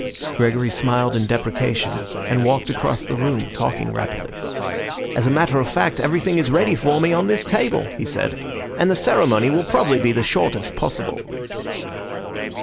Gregory smiled in deprecation, and walked across the room, talking rapidly. "As a matter of fact, everything is ready for me on this table," he said, "and the ceremony will probably be the shortest possible."